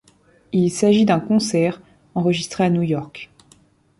Il s'agit d'un concert enregistré à New York.